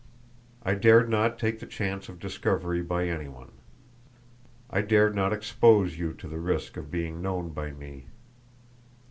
I dared not take the chance of discovery by any one; I dared not expose you to the risk of being known by me.